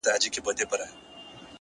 خپل وخت د مهمو کارونو لپاره وساتئ،